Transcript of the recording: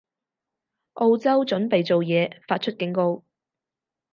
澳洲準備做嘢，發出警告